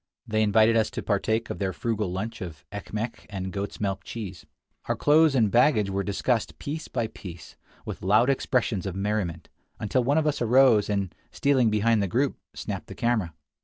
They invited us to partake of their frugal lunch of ekmek and goat's milk cheese. Our clothes and baggage were discussed piece by piece, with loud expressions of merriment, until one of us arose, and, stealing behind the group, snapped the camera.